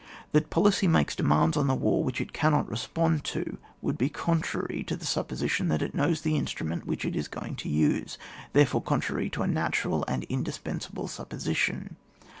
That policy makes demands on the war which it cannot respond to, would be con trary to the supposition that it knows the instrument which it is going to use, therefore, contrary to a natural and in dispensable supposition.